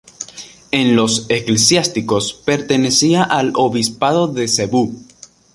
En lo eclesiástico pertenecía al obispado de Cebú.